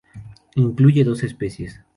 Incluye dos especiesː